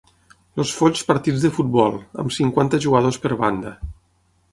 Els folls partits de futbol, amb cinquanta jugadors per banda